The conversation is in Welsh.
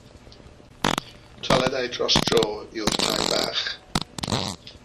Toiledau dros dro yw'r tai bach.